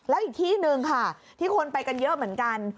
แล้วอีกที่หนึ่งค่ะที่คนไปกันเยอะเหมือนกัน